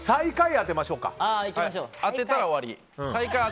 当てたら終わり？